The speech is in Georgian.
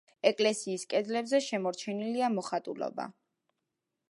ეკლესიის კედლებზე შემორჩენილია მოხატულობა.